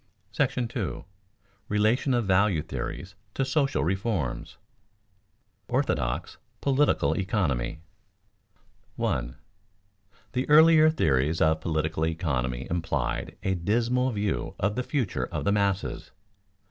§ II. RELATION OF VALUE THEORIES TO SOCIAL REFORMS [Sidenote: "Orthodox" political economy] 1. _The earlier theories of political economy implied a dismal view of the future of the masses.